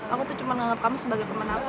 aku tuh cuma nganggep kamu sebagai temen aku